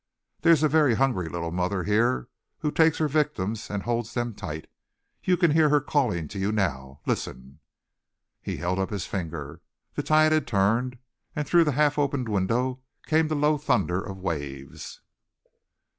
There's a very hungry little mother here who takes her victims and holds them tight. You can hear her calling to you now. Listen!" He held up his finger. The tide had turned, and through the half open window came the low thunder of the waves.